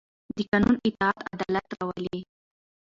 د قانون اطاعت عدالت راولي